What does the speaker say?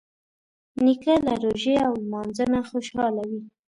نیکه له روژې او لمانځه نه خوشحاله وي.